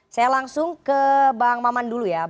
saya langsung ke bang maman dulu ya